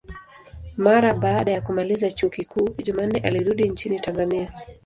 Mara baada ya kumaliza chuo kikuu, Jumanne alirudi nchini Tanzania.